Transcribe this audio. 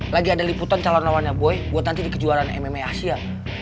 lagi ada liputan calon lawannya boy buat nanti di kejuaraan mma asia